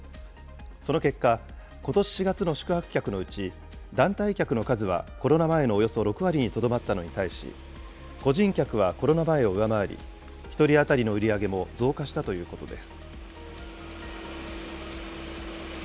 その結果、ことし４月の宿泊客のうち、団体客の数はコロナ前のおよそ６割にとどまったのに対し、個人客はコロナ前を上回り、１人当たりの売り上げも増加したということです。